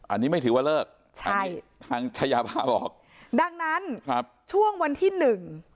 อันนี้ไม่ถือว่าเลิกใช่ทางชายาภาบอกดังนั้นครับช่วงวันที่หนึ่ง